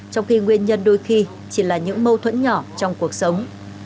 trong khi nguyên nhân đôi khi chỉ là những mâu thuẫn nhỏ trong cuộc sống